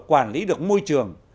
quản lý được môi trường